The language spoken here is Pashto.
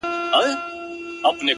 كله، كله يې ديدن تــه لـيونـى سم،